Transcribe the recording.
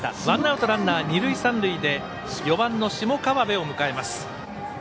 ワンアウトランナー、二塁三塁で４番の下川邊を迎えます。